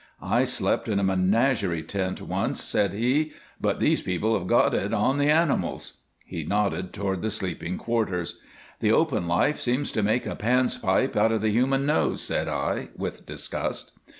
"I slept in a menagerie tent once," said he, "but these people have got it on the animals." He nodded toward the sleeping quarters. "The open life seems to make a Pan's pipe out of the human nose," said I, with disgust.